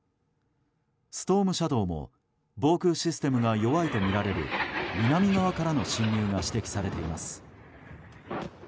ストームシャドーも防空システムが弱いとみられる南側からの侵入が指摘されています。